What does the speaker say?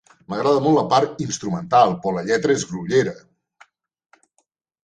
M'agrada molt la part instrumental, però la lletra és grollera.